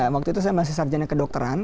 waktu itu saya masih sarjana kedokteran